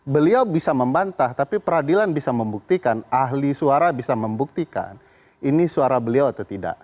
beliau bisa membantah tapi peradilan bisa membuktikan ahli suara bisa membuktikan ini suara beliau atau tidak